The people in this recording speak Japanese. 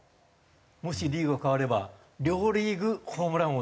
もしリーグが変われば両リーグホームラン王です。